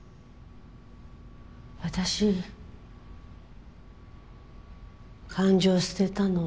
私感情を捨てたの。